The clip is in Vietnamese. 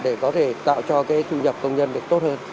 để có thể tạo cho thu nhập công nhân tốt hơn